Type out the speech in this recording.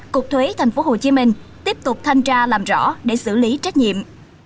cục thuế tp hcm tiếp tục thanh tra làm rõ để xử lý trách nhiệm